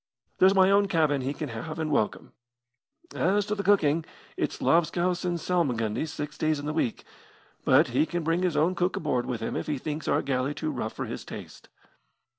There's my own cabin he can have and welcome. As to the cooking, it's lobscouse and salmagundy six days in the week; but he can bring his own cook aboard with him if he thinks our galley too rough for his taste."